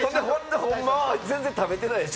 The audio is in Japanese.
ほんまは全然食べてないでし